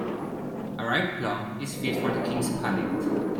A ripe plum is fit for a king's palate.